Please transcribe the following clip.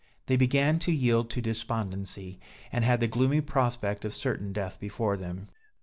They began to yield to despondency, and had the gloomy prospect of certain death before them.